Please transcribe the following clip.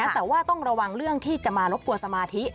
แต่ว่าต้องระวังเรื่องที่จะมารบกวนสมาธิ